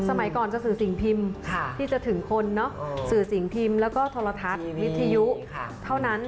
สมัยก่อนจะสื่อสิ่งพิมพ์ที่จะถึงคนสื่อสิ่งพิมพ์แล้วก็โทรทัศน์วิทยุเท่านั้น